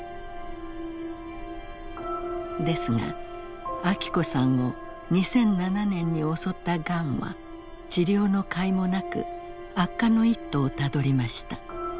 ですが昭子さんを２００７年に襲ったがんは治療のかいもなく悪化の一途をたどりました。